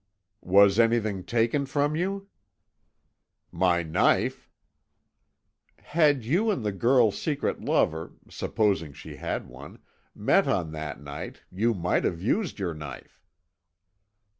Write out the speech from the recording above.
"Was anything taken from you?" "My knife." "Had you and the girl's secret lover supposing she had one met on that night, you might have used your knife."